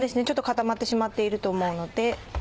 ちょっと固まってしまっていると思うので。